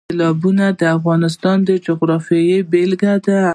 سیلابونه د افغانستان د جغرافیې بېلګه ده.